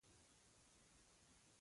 هغه بل چې روژه نیسي هغه هم باطلېږي.